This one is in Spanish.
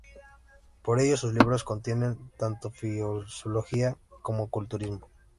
Por ello, sus libros contienen tanto Filosofía como Culturismo.